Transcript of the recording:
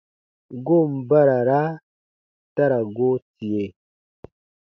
Goon barara ta ra goo tie.